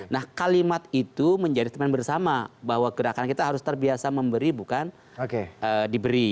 nah kalimat itu menjadi teman bersama bahwa gerakan kita harus terbiasa memberi bukan diberi